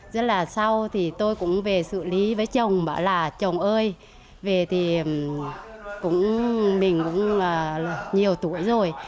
rất là sau thì tôi cũng về xử lý với chồng bảo là chồng ơi về thì mình cũng nhiều tuổi rồi